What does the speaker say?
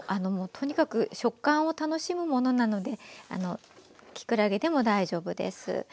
とにかく食感を楽しむものなのできくらげでも大丈夫です。